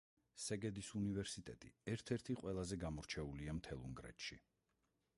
სეგედის უნივერსიტეტი ერთ-ერთი ყველაზე გამორჩეულია მთელ უნგრეთში.